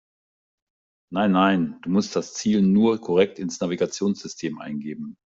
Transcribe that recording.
Nein, nein, du musst das Ziel nur korrekt ins Navigationssystem eingeben.